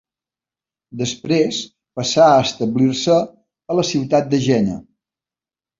Després passà a establir-se a la ciutat de Jena.